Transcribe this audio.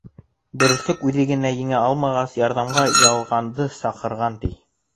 Дөрөҫлөк үҙе генә еңә алмағас, ярҙамға ялғанды саҡырған, ти.